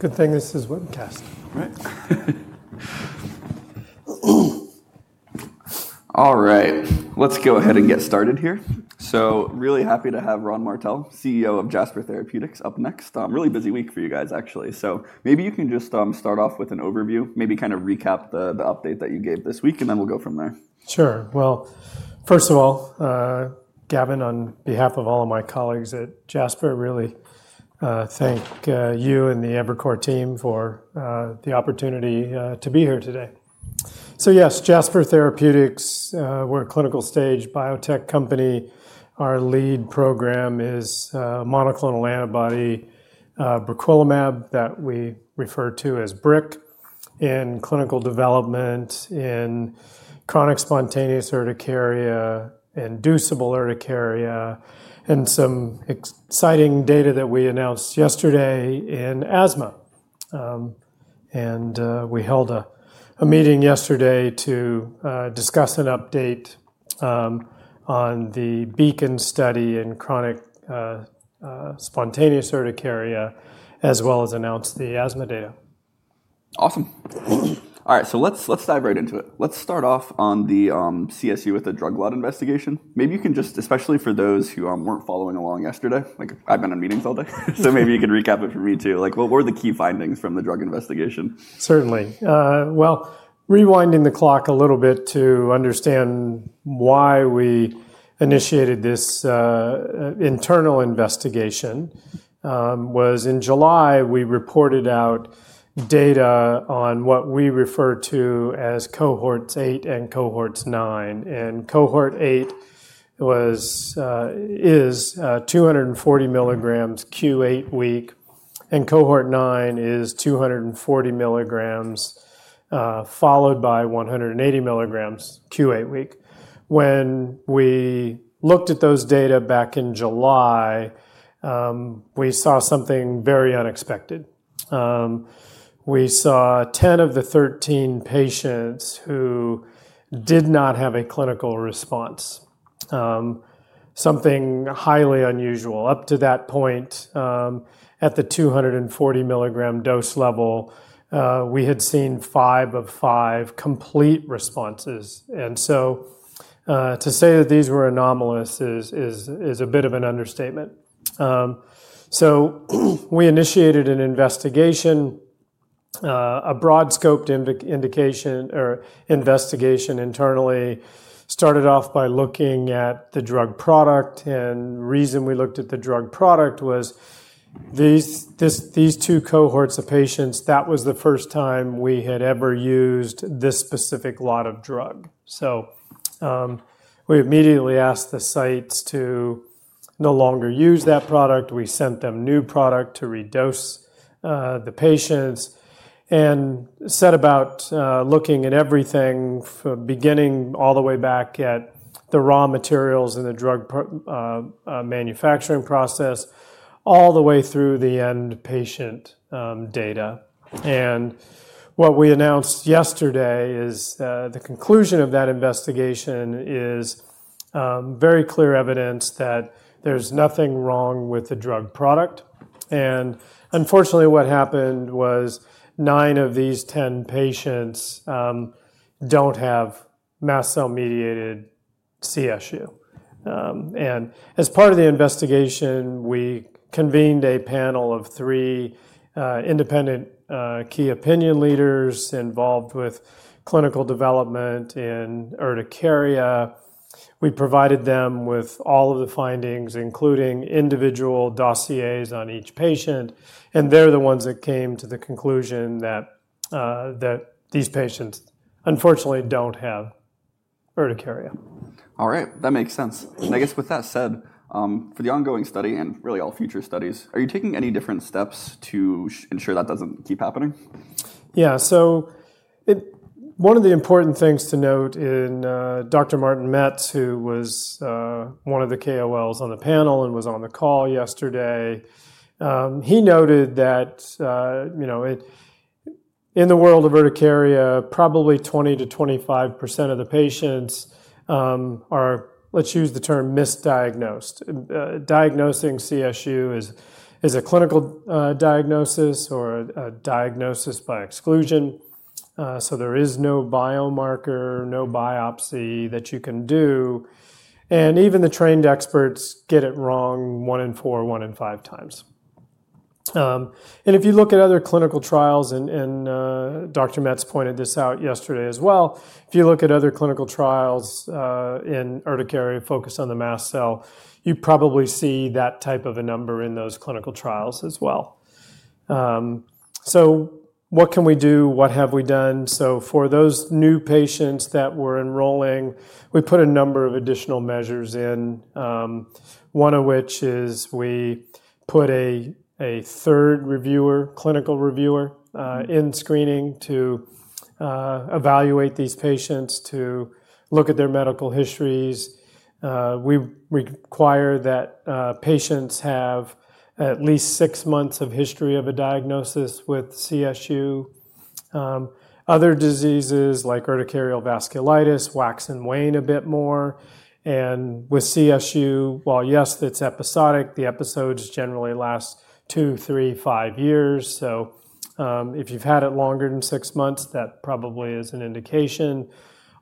Good thing this is webcast. All right. Let's go ahead and get started here. So really happy to have Ron Martell, CEO of Jasper Therapeutics, up next. Really busy week for you guys, actually. So maybe you can just start off with an overview, maybe kind of recap the update that you gave this week, and then we'll go from there. Sure, well, first of all, Gavin, on behalf of all of my colleagues at Jasper, really thank you and the Evercore team for the opportunity to be here today, so yes, Jasper Therapeutics, we're a clinical stage biotech company. Our lead program is monoclonal antibody, Briquilimab that we refer to as BRIC, in clinical development, in chronic spontaneous Urticaria, inducible Urticaria, and some exciting data that we announced yesterday in asthma, and we held a meeting yesterday to discuss an update on the Beacon study in chronic spontaneous Urticaria, as well as announce the asthma data. Awesome. All right, so let's dive right into it. Let's start off on the CSU with the double-blind investigation. Maybe you can just, especially for those who weren't following along yesterday, I've been in meetings all day, so maybe you could recap it for me too. What were the key findings from the double-blind investigation? Certainly, well, rewinding the clock a little bit to understand why we initiated this internal investigation was in July, we reported out data on what we refer to as cohorts eight and cohorts nine, and cohort eight is 240 milligrams Q8 week, and cohort nine is 240 milligrams, followed by 180 milligrams Q8 week. When we looked at those data back in July, we saw something very unexpected. We saw 10 of the 13 patients who did not have a clinical response, something highly unusual. Up to that point, at the 240 milligram dose level, we had seen five of five complete responses, and so to say that these were anomalous is a bit of an understatement, so we initiated an investigation, a broad-scope internal investigation, started off by looking at the drug product. The reason we looked at the drug product was these two cohorts of patients. That was the first time we had ever used this specific lot of drug. We immediately asked the sites to no longer use that product. We sent them new product to redose the patients. We set about looking at everything, beginning all the way back at the raw materials and the drug manufacturing process, all the way through the end patient data. What we announced yesterday is the conclusion of that investigation is very clear evidence that there's nothing wrong with the drug product. Unfortunately, what happened was nine of these 10 patients don't have mast cell mediated CSU. As part of the investigation, we convened a panel of three independent key opinion leaders involved with clinical development in Urticaria. We provided them with all of the findings, including individual dossiers on each patient. And they're the ones that came to the conclusion that these patients, unfortunately, don't have Urticaria. All right. That makes sense. And I guess with that said, for the ongoing study and really all future studies, are you taking any different steps to ensure that doesn't keep happening? Yeah. So one of the important things to note in Dr. Martin Metz, who was one of the KOLs on the panel and was on the call yesterday, he noted that in the world of Urticaria, probably 20%-25% of the patients are, let's use the term, misdiagnosed. Diagnosing CSU is a clinical diagnosis or a diagnosis by exclusion. So there is no biomarker, no biopsy that you can do. And even the trained experts get it wrong one in four, one in five times. And if you look at other clinical trials, and Dr. Metz pointed this out yesterday as well, if you look at other clinical trials in Urticaria focused on the mast cell, you probably see that type of a number in those clinical trials as well. So what can we do? What have we done? For those new patients that were enrolling, we put a number of additional measures in, one of which is we put a third reviewer, clinical reviewer, in screening to evaluate these patients, to look at their medical histories. We require that patients have at least six months of history of a diagnosis with CSU. Other diseases like Urticarial vasculitis wax and wane a bit more. And with CSU, while yes, it's episodic, the episodes generally last two, three, five years. So if you've had it longer than six months, that probably is an indication.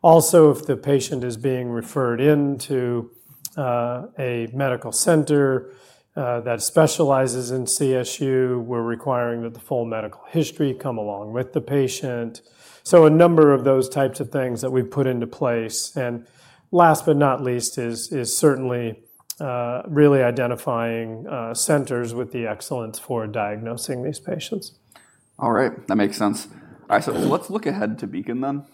Also, if the patient is being referred into a medical center that specializes in CSU, we're requiring that the full medical history come along with the patient. So a number of those types of things that we've put into place. Last but not least is certainly really identifying centers of excellence for diagnosing these patients. All right. That makes sense. All right. So let's look ahead to Beacon then.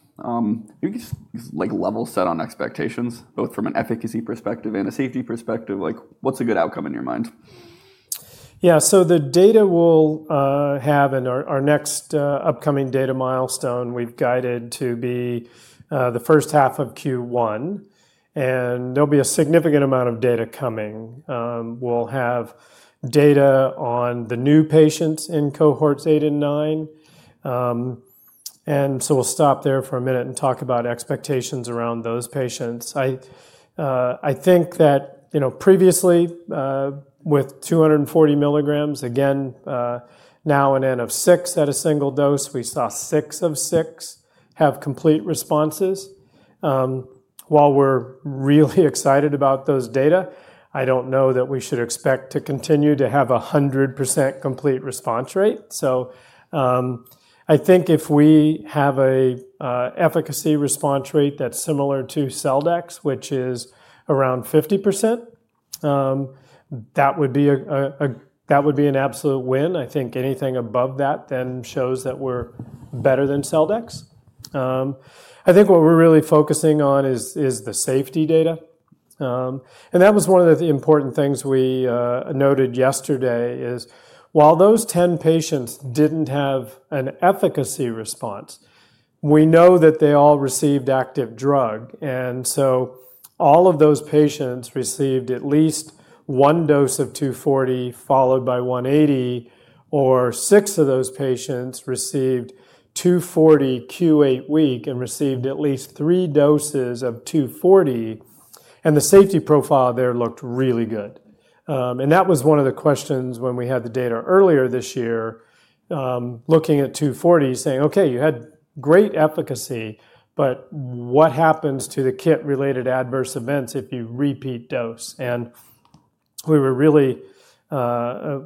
Maybe just level set on expectations, both from an efficacy perspective and a safety perspective. What's a good outcome in your mind? Yeah. So the data we'll have in our next upcoming data milestone, we've guided to be the first half of Q1. And there'll be a significant amount of data coming. We'll have data on the new patients in cohorts eight and nine. And so we'll stop there for a minute and talk about expectations around those patients. I think that previously with 240 milligrams, again, now an n of six at a single dose, we saw six of six have complete responses. While we're really excited about those data, I don't know that we should expect to continue to have a 100% complete response rate. So I think if we have an efficacy response rate that's similar to Celldex, which is around 50%, that would be an absolute win. I think anything above that then shows that we're better than Celldex. I think what we're really focusing on is the safety data. And that was one of the important things we noted yesterday is while those 10 patients didn't have an efficacy response, we know that they all received active drug. And so all of those patients received at least one dose of 240, followed by 180, or six of those patients received 240 Q8 week and received at least three doses of 240. And the safety profile there looked really good. And that was one of the questions when we had the data earlier this year, looking at 240, saying, "Okay, you had great efficacy, but what happens to the kit-related adverse events if you repeat dose?" And we were really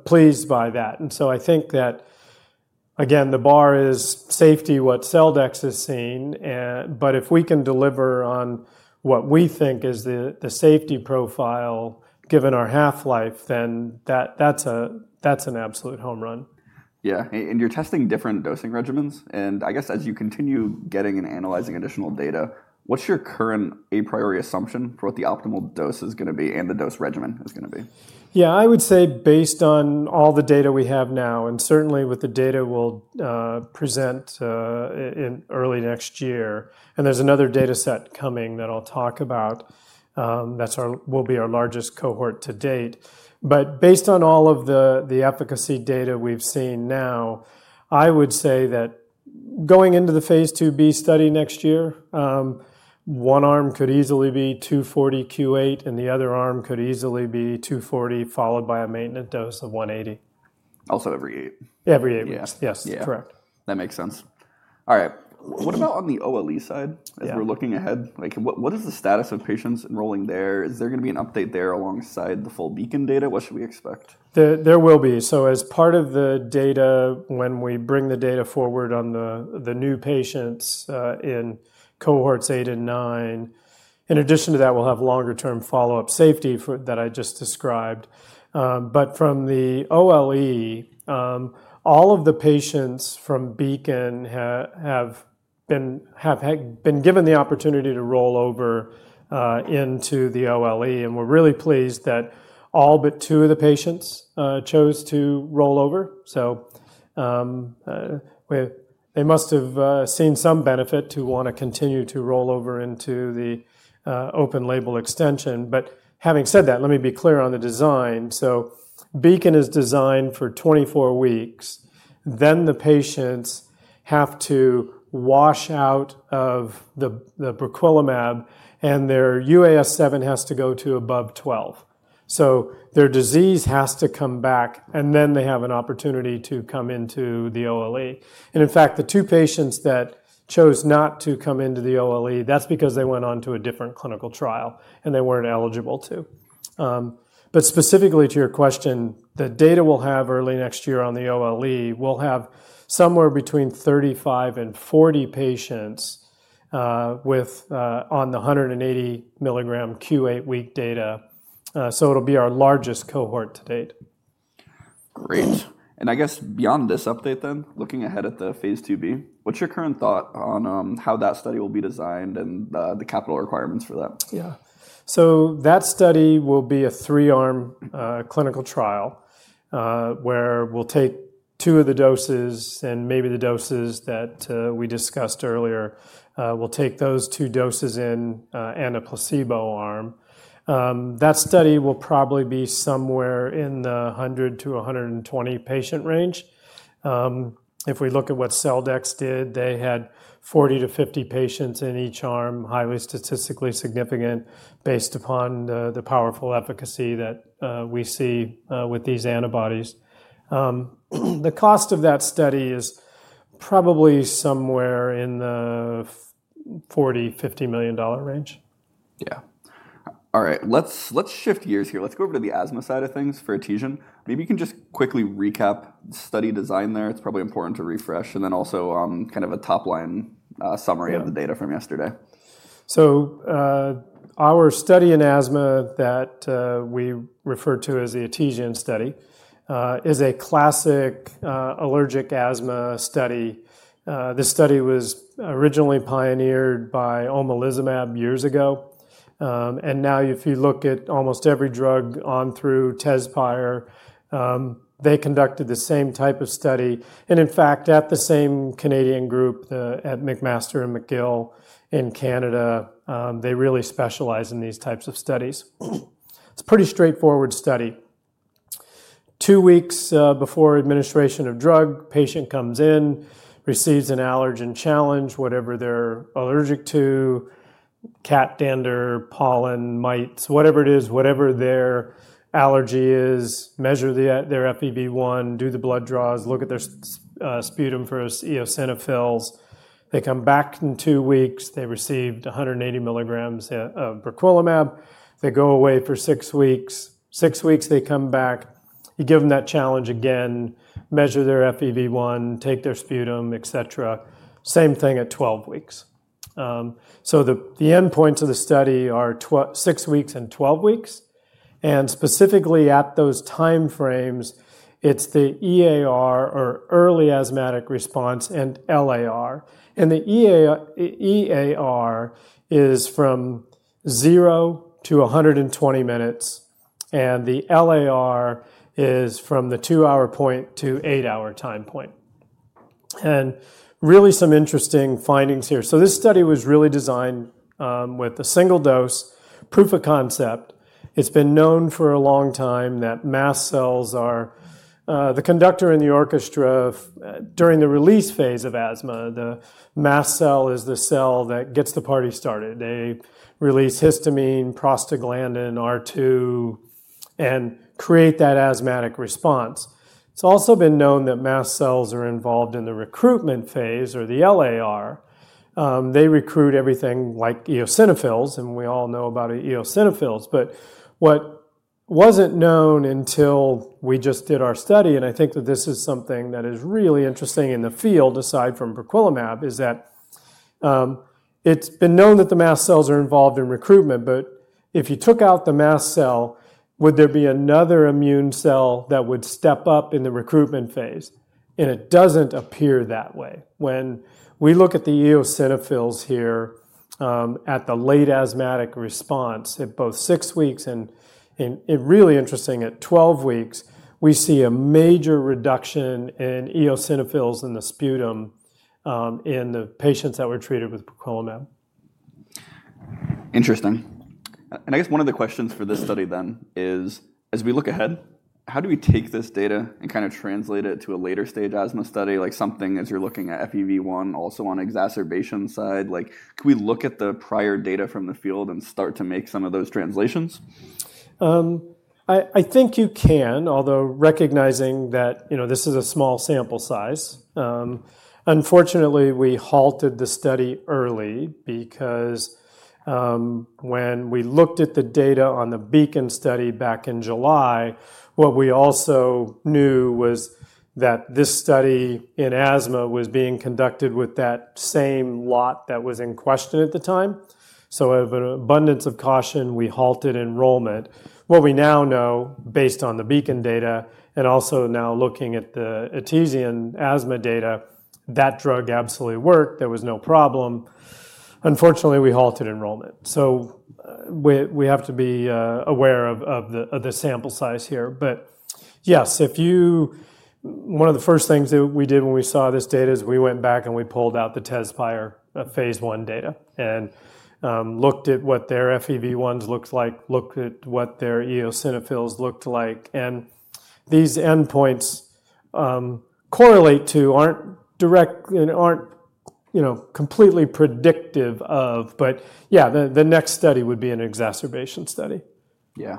pleased by that. And so I think that, again, the bar is safety, what Celldex has seen. But if we can deliver on what we think is the safety profile, given our half-life, then that's an absolute home run. Yeah. And you're testing different dosing regimens. And I guess as you continue getting and analyzing additional data, what's your current a priori assumption for what the optimal dose is going to be and the dose regimen is going to be? Yeah. I would say based on all the data we have now, and certainly with the data we'll present in early next year, and there's another data set coming that I'll talk about that will be our largest cohort to date, but based on all of the efficacy data we've seen now, I would say that going into the phase II-B study next year, one arm could easily be 240 Q8, and the other arm could easily be 240, followed by a maintenance dose of 180. Also every eight. Every eight. Yes. Yes. Correct. That makes sense. All right. What about on the OLE side as we're looking ahead? What is the status of patients enrolling there? Is there going to be an update there alongside the full Beacon data? What should we expect? There will be. So as part of the data, when we bring the data forward on the new patients in cohorts eight and nine, in addition to that, we'll have longer-term follow-up safety that I just described. But from the OLE, all of the patients from Beacon have been given the opportunity to roll over into the OLE. And we're really pleased that all but two of the patients chose to roll over. So they must have seen some benefit to want to continue to roll over into the open label extension. But having said that, let me be clear on the design. So Beacon is designed for 24 weeks. Then the patients have to wash out of the Briquilimab, and their UAS7 has to go to above 12. So their disease has to come back, and then they have an opportunity to come into the OLE. In fact, the two patients that chose not to come into the OLE, that's because they went on to a different clinical trial, and they weren't eligible to. Specifically to your question, the data we'll have early next year on the OLE, we'll have somewhere between 35 and 40 patients on the 180 milligram Q8 week data. It'll be our largest cohort to date. Great. And I guess beyond this update then, looking ahead at the phase II-B, what's your current thought on how that study will be designed and the capital requirements for that? Yeah. So that study will be a three-arm clinical trial where we'll take two of the doses, and maybe the doses that we discussed earlier, we'll take those two doses in and a placebo arm. That study will probably be somewhere in the 100-120 patient range. If we look at what Celldex did, they had 40-50 patients in each arm, highly statistically significant based upon the powerful efficacy that we see with these antibodies. The cost of that study is probably somewhere in the $40-$50 million range. Yeah. All right. Let's shift gears here. Let's go over to the asthma side of things for allergen challenge. Maybe you can just quickly recap the study design there. It's probably important to refresh. And then also kind of a top-line summary of the data from yesterday. Our study in asthma that we refer to as the allergen challenge study is a classic allergic asthma study. The study was originally pioneered by Omalizumab years ago. And now if you look at almost every drug on through Tezspire, they conducted the same type of study. And in fact, at the same Canadian group at McMaster and McGill in Canada, they really specialize in these types of studies. It's a pretty straightforward study. Two weeks before administration of drug, patient comes in, receives an allergen challenge, whatever they're allergic to, cat, dander, pollen, mites, whatever it is, whatever their allergy is, measure their FEV1, do the blood draws, look at their sputum for Eosinophils. They come back in two weeks. They received 180 milligrams of Briquilimab. They go away for six weeks. Six weeks, they come back. You give them that challenge again, measure their FEV1, take their sputum, et cetera. Same thing at 12 weeks. The end points of the study are six weeks and 12 weeks. Specifically at those time frames, it's the EAR or early asthmatic response and LAR. The EAR is from 0 to 120 minutes. The LAR is from the two-hour point to eight-hour time point. Really some interesting findings here. This study was really designed with a single dose, proof of concept. It's been known for a long time that mast cells are the conductor in the orchestra during the release phase of asthma. The mast cell is the cell that gets the party started. They release histamine, prostaglandin D2, and create that asthmatic response. It's also been known that mast cells are involved in the recruitment phase or the LAR. They recruit everything like Eosinophils. And we all know about Eosinophils. But what wasn't known until we just did our study, and I think that this is something that is really interesting in the field aside from Briquilimab, is that it's been known that the mast cells are involved in recruitment. But if you took out the mast cell, would there be another immune cell that would step up in the recruitment phase? And it doesn't appear that way. When we look at the Eosinophils here at the late asthmatic response at both six weeks, and really interesting at 12 weeks, we see a major reduction in Eosinophils in the sputum in the patients that were treated with Briquilimab. Interesting, and I guess one of the questions for this study then is, as we look ahead, how do we take this data and kind of translate it to a later stage asthma study, like something as you're looking at FEV1 also on exacerbation side? Can we look at the prior data from the field and start to make some of those translations? I think you can, although recognizing that this is a small sample size. Unfortunately, we halted the study early because when we looked at the data on the Beacon study back in July, what we also knew was that this study in asthma was being conducted with that same lot that was in question at the time. So of an abundance of caution, we halted enrollment. What we now know based on the Beacon data and also now looking at the allergen asthma data, that drug absolutely worked. There was no problem. Unfortunately, we halted enrollment. So we have to be aware of the sample size here. But yes, one of the first things that we did when we saw this data is we went back and we pulled out the Tezspire phase I data and looked at what their FEV1s looked like, looked at what their Eosinophils looked like. These endpoints correlate to aren't completely predictive of, but yeah, the next study would be an exacerbation study. Yeah.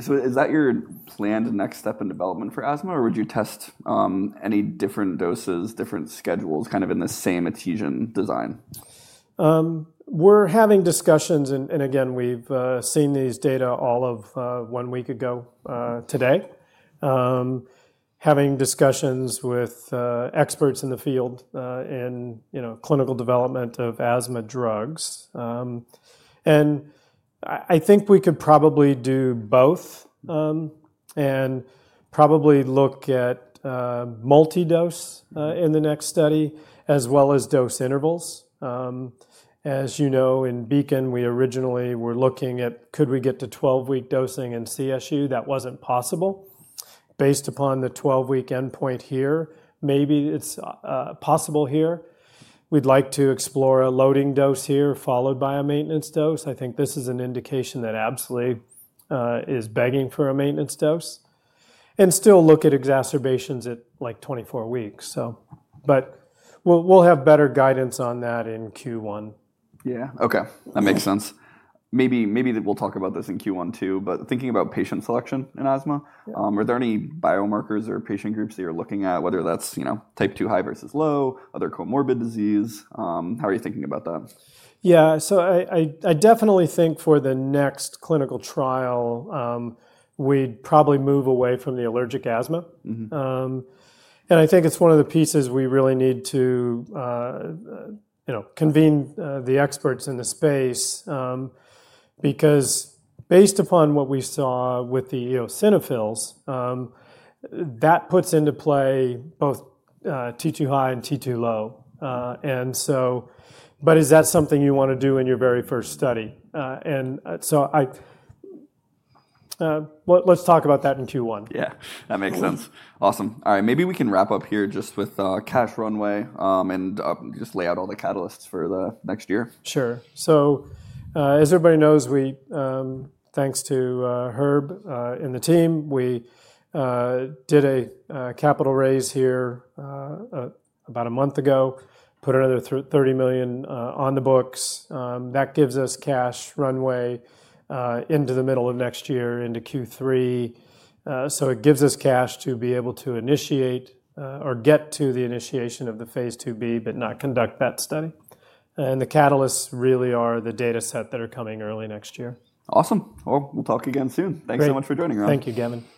So is that your planned next step in development for asthma, or would you test any different doses, different schedules kind of in the same allergen challenge design? We're having discussions, and again, we've seen these data all of one week ago today, having discussions with experts in the field in clinical development of asthma drugs, and I think we could probably do both and probably look at multi-dose in the next study as well as dose intervals. As you know, in Beacon, we originally were looking at could we get to 12-week dosing in CSU? That wasn't possible. Based upon the 12-week endpoint here, maybe it's possible here. We'd like to explore a loading dose here followed by a maintenance dose. I think this is an indication that absolutely is begging for a maintenance dose and still look at exacerbations at like 24 weeks, but we'll have better guidance on that in Q1. Yeah. Okay. That makes sense. Maybe we'll talk about this in Q1 too, but thinking about patient selection in asthma, are there any biomarkers or patient groups that you're looking at, whether that's type 2 high versus low, other comorbid disease? How are you thinking about that? Yeah, so I definitely think for the next clinical trial, we'd probably move away from the allergic asthma, and I think it's one of the pieces we really need to convene the experts in the space because based upon what we saw with the Eosinophils, that puts into play both T2 high and T2 low, and so, but is that something you want to do in your very first study, and so let's talk about that in Q1. Yeah. That makes sense. Awesome. All right. Maybe we can wrap up here just with cash runway and just lay out all the catalysts for the next year. Sure. So as everybody knows, thanks to Herb and the team, we did a capital raise here about a month ago, put another $30 million on the books. That gives us cash runway into the middle of next year into Q3. So it gives us cash to be able to initiate or get to the initiation of the phase II-B, but not conduct that study. And the catalysts really are the data set that are coming early next year. Awesome. Well, we'll talk again soon. Thanks so much for joining us. Thank you, Kim.